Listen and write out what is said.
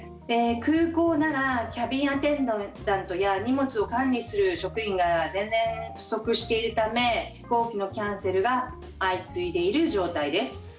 空港ならキャビンアテンダントや荷物を管理する職員が全然不足しているため飛行機のキャンセルが相次いでいる状態です。